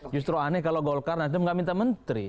justru aneh kalau golkar nasdem nggak minta menteri